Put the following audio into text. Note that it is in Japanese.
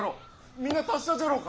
みんな達者じゃろうか。